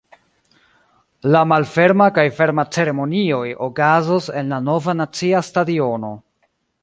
La malferma kaj ferma ceremonioj okazos en la Nova nacia stadiono.